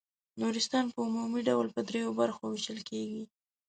نورستان په عمومي ډول په دریو برخو وېشل کیږي.